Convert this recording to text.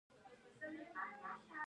ایا زه باید ژوندی اوسم؟